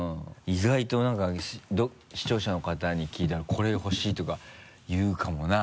意外となんか視聴者の方に聞いたらこれほしいとか言うかもな。